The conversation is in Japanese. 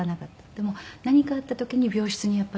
でも何かあった時に病室にやっぱりきちんと。